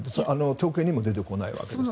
統計にも出てこないわけですね。